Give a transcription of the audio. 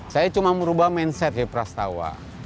saya cuma merubah mindset ya prastawa